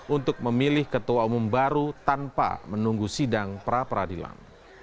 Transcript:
untuk memilih ketua umum baru tanpa menunggu sidang pra peradilan